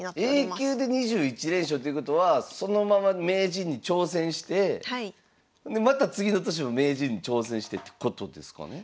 Ａ級で２１連勝ということはそのまま名人に挑戦してでまた次の年も名人に挑戦してるってことですかね？